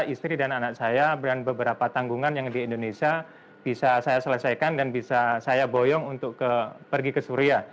istri dan anak saya dan beberapa tanggungan yang di indonesia bisa saya selesaikan dan bisa saya boyong untuk pergi ke suria